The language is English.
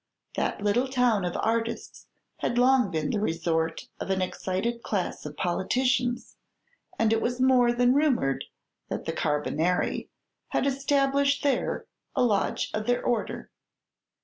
That little town of artists had long been the resort of an excited class of politicians, and it was more than rumored that the "Carbonari" had established there a lodge of their order.